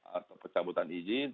atau pencabutan izin